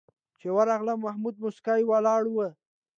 چې ورغلم محمود موسکی ولاړ و.